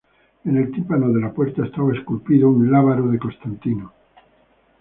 En el tímpano de la puerta, estaba esculpido un Lábaro de Constantino.